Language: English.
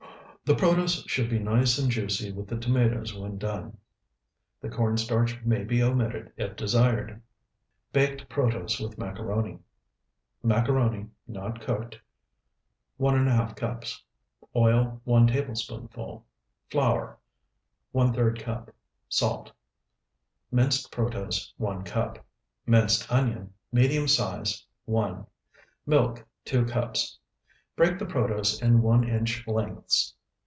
The protose should be nice and juicy with the tomatoes when done. The corn starch may be omitted if desired. BAKED PROTOSE WITH MACARONI Macaroni (not cooked), 1½ cups. Oil, 1 tablespoonful. Flour, ⅓ cup. Salt. Minced protose, 1 cup. Minced onion, medium size, 1. Milk, 2 cups. Break the protose in one inch lengths.